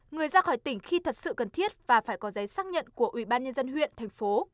người ra khỏi tỉnh khi thật sự cần thiết và phải có giấy xác nhận của ubnd huyện thành phố